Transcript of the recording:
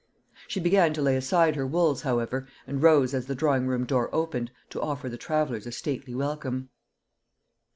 She began to lay aside her wools, however, and rose as the drawing room door opened, to offer the travellers a stately welcome.